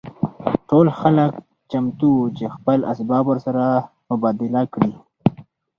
ټول خلک چمتو وو چې خپل اسباب ورسره مبادله کړي